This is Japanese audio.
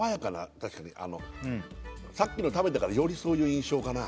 確かにさっきの食べたからよりそういう印象かな